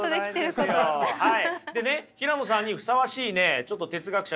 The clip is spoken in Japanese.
でね平野さんにふさわしいねちょっと哲学者